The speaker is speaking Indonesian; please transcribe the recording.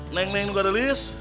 neng neng enggak ada list